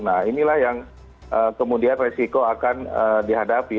nah inilah yang kemudian resiko akan dihadapi